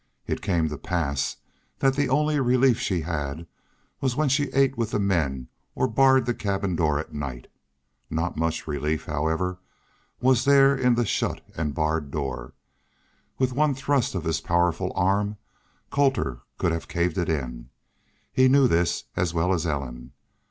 It came to pass that the only relief she had was when she ate with the men or barred the cabin door at night. Not much relief, however, was there in the shut and barred door. With one thrust of his powerful arm Colter could have caved it in. He knew this as well as Ellen.